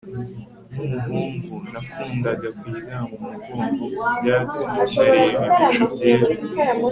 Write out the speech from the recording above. nkumuhungu, nakundaga kuryama umugongo ku byatsi nkareba ibicu byera